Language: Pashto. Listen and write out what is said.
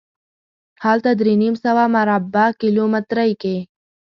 هلته درې نیم سوه مربع کیلومترۍ کې.